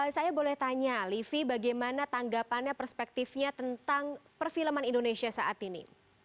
saya boleh tanya livi bagaimana tanggapannya perspektifnya tentang perfilman indonesia saat ini